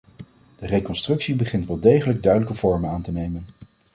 De reconstructie begint wel degelijk duidelijke vormen aan te nemen.